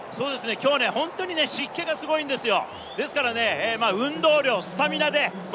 きょうは本当に湿気がすごいんですよ。